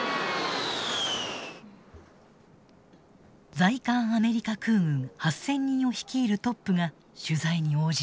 在韓アメリカ空軍８，０００人を率いるトップが取材に応じた。